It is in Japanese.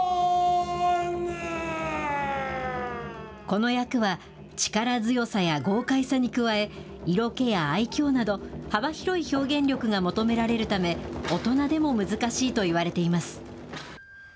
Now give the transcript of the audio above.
この役は、力強さや豪快さに加え、色気や愛きょうなど、幅広い表現力が求められるため、大人でも難しいといわれています。